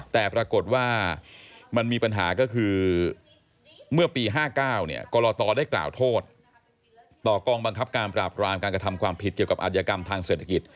แต่ปรากฏว่ามันมีปัญหาก็คือเมื่อปี๕๙กรตได้กล่าวโทษต่อกองบังคับการปราบรามการกระทำความผิดเกี่ยวกับอัธยกรรมทางเศรษฐกิจ